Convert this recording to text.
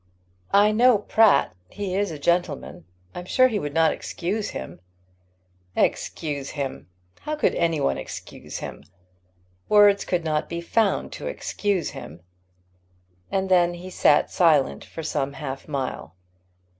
"I know Pratt. He is a gentleman. I am sure he would not excuse him." "Excuse him! How could any one excuse him? Words could not be found to excuse him." And then he sat silent for some half mile.